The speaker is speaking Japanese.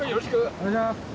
お願いします。